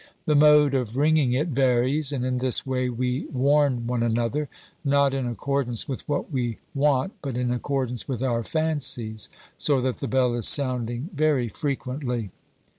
The mode of ringing it varies, and in this way we warn one another, not in accordance with what we want but in accordance with our fancies, so that the bell is sounding very frequently.